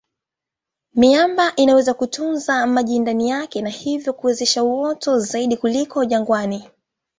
Miamba inaweza kutunza maji ndani yake na hivyo kuwezesha uoto zaidi kuliko jangwani.